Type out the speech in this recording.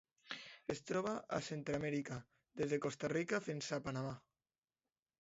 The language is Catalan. Es troba a Centreamèrica: des de Costa Rica fins a Panamà.